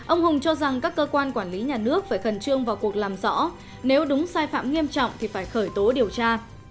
ông hùng cho rằng các cơ quan quản lý nhà nước phải khẩn trương vào cuộc làm rõ nếu đúng sai phạm nghiêm trọng thì phải khởi tố điều tra